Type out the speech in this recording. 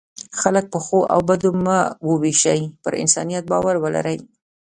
خلک په ښو او بدو مه وویشئ، پر انسانیت باور ولرئ.